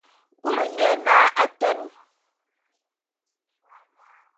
Kulu nye naa: A teen!